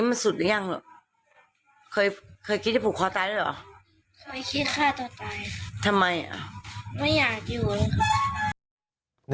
ไม่อยากอยู่เลย